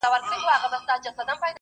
زه بايد بوټونه پاک کړم؟!